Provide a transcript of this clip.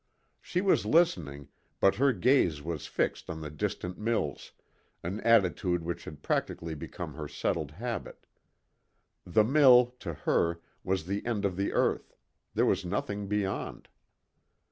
She was listening, but her gaze was fixed on the distant mills, an attitude which had practically become her settled habit. The mill, to her, was the end of the earth; there was nothing beyond.